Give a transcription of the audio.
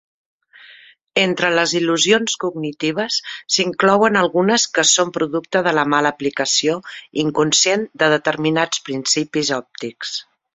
Entre les il·lusions cognitives s"inclouen algunes que són producte de la mala aplicació inconscient de determinats principis òptics.